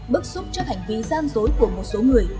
bức xúc trước hành vi gian dối của một số người